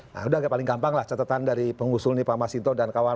nah itu agak paling gampang lah catatan dari pengusul nih pak mas hinton dan kawan